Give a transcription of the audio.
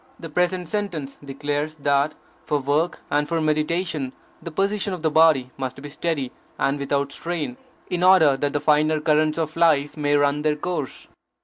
The present sentence declares that, for work and for meditation, the position of the body must be steady and without strain, in order that the finer currents of life may run their course.